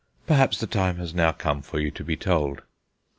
Perhaps the time has now come for you to be told.